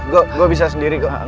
gue bisa sendiri